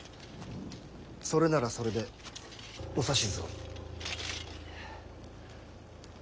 それならそれでお指図を。